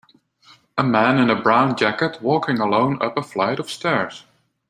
A man in a brown jacket walking alone up a flight of stairs.